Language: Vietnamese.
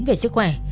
về sức khỏe